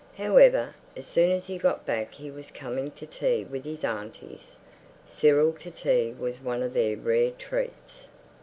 However, as soon as he got back he was coming to tea with his aunties. Cyril to tea was one of their rare treats.